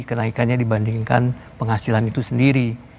kenaikannya dibandingkan penghasilan itu sendiri